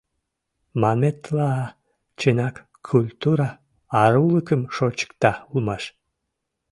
Манметла, чынак, культура арулыкым шочыкта улмаш!